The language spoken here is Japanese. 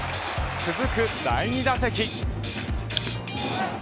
続く第２打席。